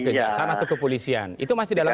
kerja sana tuh kepolisian itu masih dalam